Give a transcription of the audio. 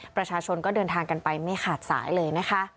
ประชาชนก็เดินทางกันไปไม่ขาดสายเลยนะคะ